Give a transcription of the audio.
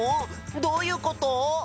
どういうこと？